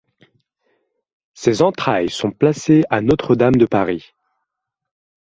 Ses entrailles sont placées à Notre-Dame de Paris.